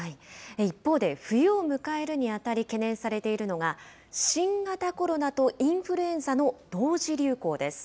一方で、冬を迎えるにあたり懸念されているのが、新型コロナとインフルエンザの同時流行です。